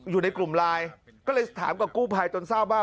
อยู่ในกลุ่มไลน์ก็เลยถามกับกู้ภัยจนทราบว่า